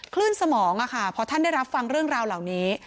คลื่นสมองพอท่านได้รับฟังเรื่องราวเหล่านี้